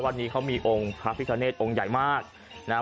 วันนี้เขามีองค์พระพิคเนธองค์ใหญ่มากนะฮะ